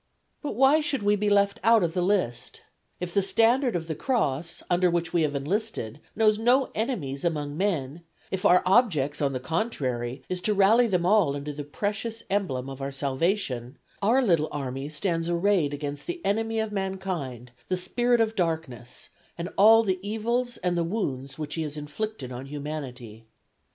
"But why should we be left out of the list? If the Standard of the Cross, under which we have enlisted, knows no enemies among men; if our objects, on the contrary, is to rally them all under the precious emblem of our salvation, our little army stands arrayed against the enemy of mankind, the spirit of darkness, and all the evils and the wounds which he has inflicted on humanity.